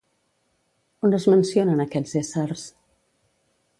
On es mencionen aquests éssers?